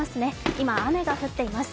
今、雨が降っています。